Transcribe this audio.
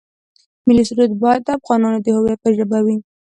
ملي سرود باید د افغانانو د هویت په ژبه وي.